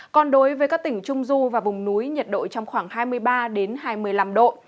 còn đối với các tỉnh trung du và vùng núi nhiệt độ trong khoảng hai mươi ba hai mươi năm độ